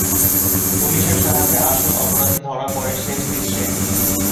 পুলিশের সাহায্যে আসল অপরাধী ধরা পড়ে শেষ দৃশ্যে।